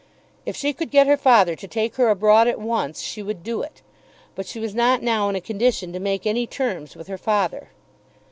If she could get her father to take her abroad at once, she would do it; but she was not now in a condition to make any terms with her father.